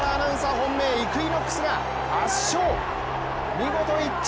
本命、イクイノックスが１着。